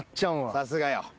さすがよ。